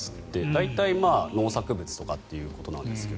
大体農作物とかということなんですが。